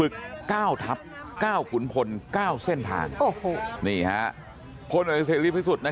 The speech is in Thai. ที่ชอบลุยในสิ่งที่คนอื่นไม่กล้าทำ